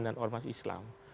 dan ormas islam